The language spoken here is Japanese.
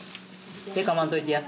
手かまんといてや。